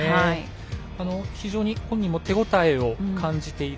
非常に本人も手応えを感じている。